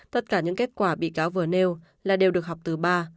tất cả những kết quả bị cáo vừa nêu là đều được học từ ba